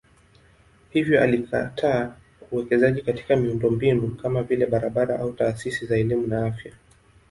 Hivyo alikataa uwekezaji katika miundombinu kama vile barabara au taasisi za elimu na afya.